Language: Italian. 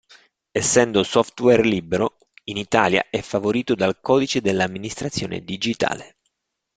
Essendo software libero, in Italia è favorito dal codice dell'amministrazione digitale.